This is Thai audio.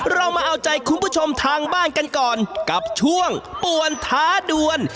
เรามาเอาใจคุณผู้ชมทางบ้านกันก่อนกับช่วงป่วนท้าด่วน